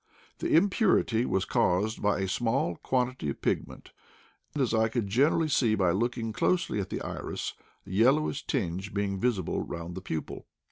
The impurity was caused by a small quantity of pigment, as I could generally see by looking closely at the iris, a yel lowish tinge being visible round the pupil.